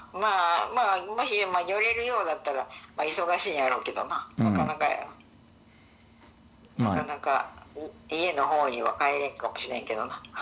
まあ、もし寄れるようだったら忙しいんやろうけどな。なかなか家のほうには帰れんかもしれんけどな。